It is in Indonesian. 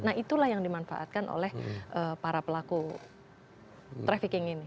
nah itulah yang dimanfaatkan oleh para pelaku trafficking ini